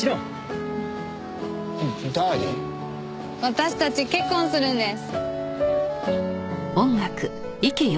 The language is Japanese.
私たち結婚するんです。